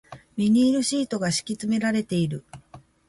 ビニールシートが敷き詰められている